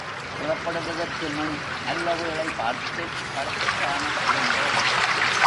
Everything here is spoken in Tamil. புறப்படுவதற்குமுன் நல்ல வேளை பார்த்துப் பரஸ்தானம் இருந்தோம்.